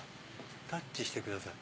「タッチしてください」。